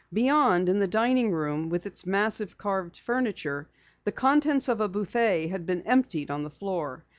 Beyond, in the dining room with its massive carved furniture, the contents of a buffet had been emptied on the floor.